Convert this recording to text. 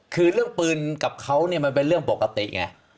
คือเรื่องปืนกับเขาเนี่ยมันเป็นเรื่องปกติไง